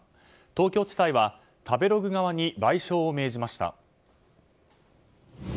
東京地裁は食べログ側に賠償を命じました。